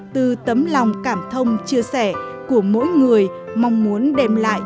từ tấm lòng cảm thông chia sẻ của mỗi người mong muốn đem lại